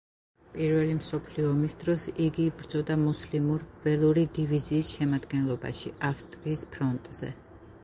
პირველი მსოფლიო ომის დროს, იგი იბრძოდა მუსლიმურ „ველური დივიზიის“ შემადგენლობაში, ავსტრიის ფრონტზე.